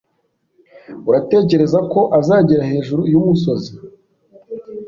Uratekereza ko azagera hejuru yumusozi?